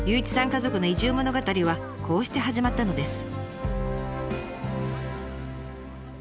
家族の移住物語はこうして始まったのです。